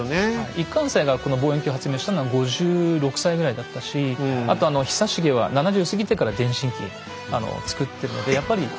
一貫斎がこの望遠鏡を発明したのは５６歳ぐらいだったしあと久重は７０過ぎてから電信機作ってるのでやっぱり。